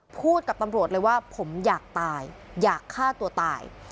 พูดกับตำรวจเลยว่าผมอยากตายอยากฆ่าตัวตาย